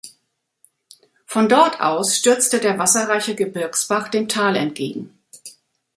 Von dort aus stürzte der wasserreiche Gebirgsbach dem Tal entgegen.